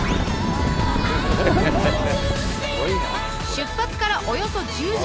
出発からおよそ１０時間